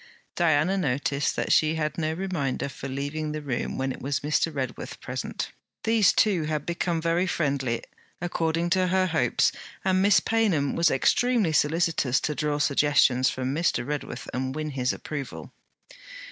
Diana noticed that she had no reminder for leaving the room when it was Mr. Redworth present. These two had become very friendly, according to her hopes; and Miss Paynham was extremely solicitous to draw suggestions from Mr. Redworth and win his approval.